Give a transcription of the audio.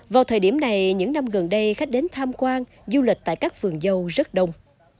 vào thời điểm này những năm gần đây khách đến tham quan du lịch tại các vườn dâu rất đông